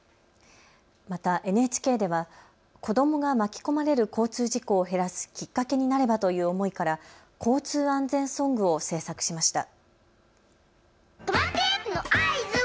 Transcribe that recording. またＮＨＫでは子どもが巻き込まれる交通事故を減らすきっかけになればという思いから交通安全ソングを制作しました。